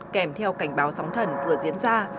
kèm theo cảnh báo sóng thần vừa diễn ra